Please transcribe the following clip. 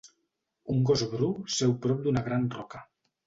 Un gos bru seu prop d'una gran roca.